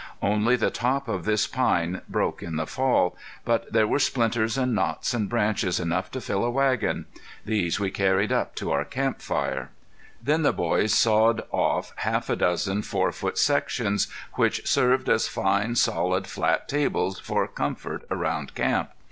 Only the top of this pine broke in the fall, but there were splinters and knots and branches enough to fill a wagon. These we carried up to our camp fire. Then the boys sawed off half a dozen four foot sections, which served as fine, solid, flat tables for comfort around camp.